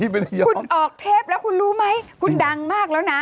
คุณออกเทปแล้วคุณรู้ไหมคุณดังมากแล้วนะ